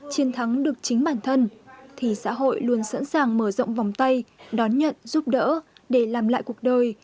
chiến thắng được chính bản thân thì xã hội luôn sẵn sàng mở rộng vòng tay đón nhận giúp đỡ để làm lại cuộc đời